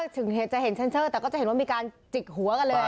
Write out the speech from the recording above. ถึงจะเห็นเซ็นเซอร์แต่ก็จะเห็นว่ามีการจิกหัวกันเลย